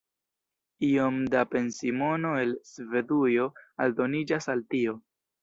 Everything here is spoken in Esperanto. Iom da pensimono el Svedujo aldoniĝas al tio.